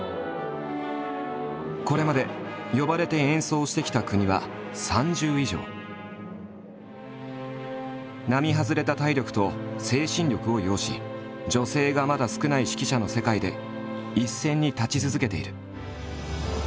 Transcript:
これまで呼ばれて演奏してきた国は並外れた体力と精神力を要し女性がまだ少ない指揮者の世界で一線に立ち続けている。